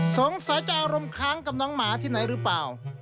สงสัยจะอารมณ์ค้างกับน้องหมาที่ไหนหรือเปล่า